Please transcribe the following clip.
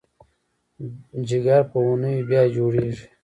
جګر په اونیو بیا جوړېږي.